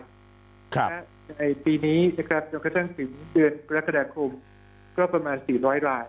ปีนี้นะครับจนกระทั่งถึงเดือนกรกฎาคมก็ประมาณ๔๐๐ราย